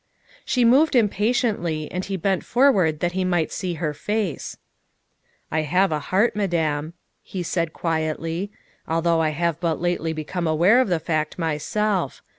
She moved impatiently, and he bent forward that he might see her face. " I have a heart, Madame," he said quietly, " al though I have but lately become aware of the fact myself.